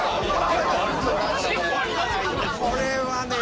これはね